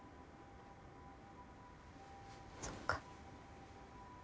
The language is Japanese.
そっか。